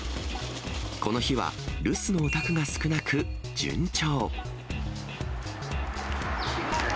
この日は留守のお宅が少なく順調。